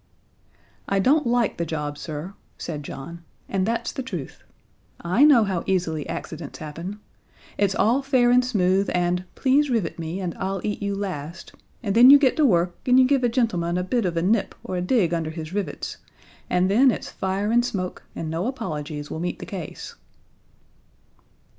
"I don't like the job, sir," said John, "and that's the truth. I know how easily accidents happen. It's all fair and smooth, and 'Please rivet me, and I'll eat you last' and then you get to work and you give a gentleman a bit of a nip or a dig under his rivets and then it's fire and smoke, and no apologies will meet the case."